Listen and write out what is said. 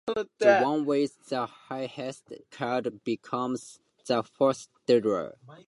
The one with the highest card becomes the first dealer.